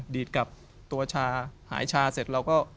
ดีดกลับตัวชาหายชาเสร็จ